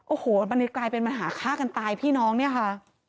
โอ้โหมันเลยกลายเป็นปัญหาฆ่ากันตายพี่น้องเนี่ยค่ะ